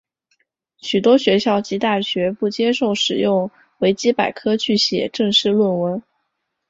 许多学校及大学不接受使用维基百科去写正式论文。